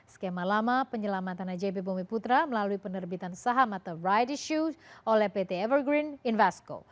skema lama penyelamatan ajb bumi putra melalui penerbitan saham atau right issue oleh pt evergreen invasco